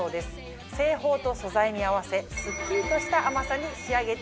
製法と素材に合わせすっきりとした甘さに仕上げています。